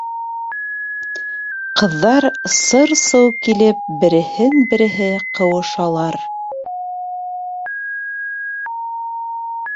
Ҡыҙҙар, сыр-сыу килеп, береһен-береһе ҡыуышалар.